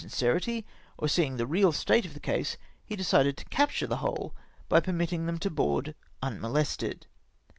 sincerity, or seeing tlie real state of the case — lie decided to capture tlie whole by permitting them to board un molested.